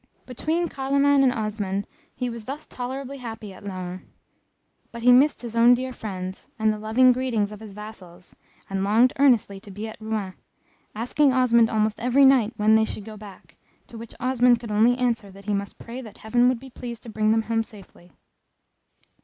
Between Carloman and Osmond he was thus tolerably happy at Laon, but he missed his own dear friends, and the loving greetings of his vassals, and longed earnestly to be at Rouen, asking Osmond almost every night when they should go back, to which Osmond could only answer that he must pray that Heaven would be pleased to bring them home safely.